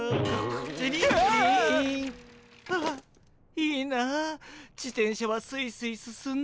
いいな自転車はスイスイ進んで。